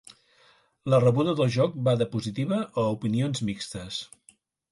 La rebuda del joc va de positiva a opinions mixtes.